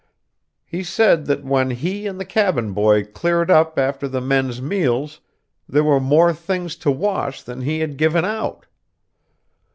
He said that when he and the cabin boy cleared up after the men's meals there were more things to wash than he had given out.